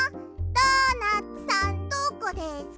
ドーナツさんどこですか？